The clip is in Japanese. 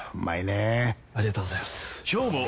ありがとうございます！